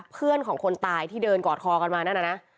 เพื่อนของคนตายที่เดินกอดคอกันมานั่นน่ะนะ